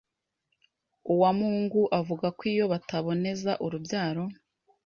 Uwamungu avuga ko iyo bataboneza urubyaro